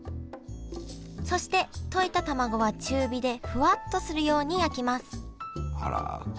そして溶いたたまごは中火でふわっとするように焼きますあら。